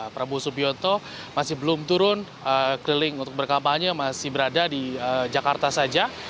prabowo subianto masih belum turun keliling untuk berkampanye masih berada di jakarta saja